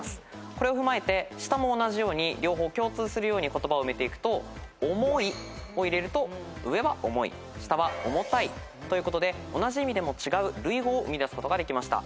これを踏まえて下も同じように両方共通するように言葉を埋めていくと「おもい」を入れると上は「おもい」下は「おもたい」ということで同じ意味でも違う類語を生み出すことができました。